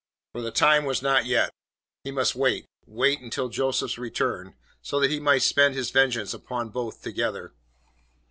For the time was not yet. He must wait; wait until Joseph's return, so that he might spend his vengeance upon both together.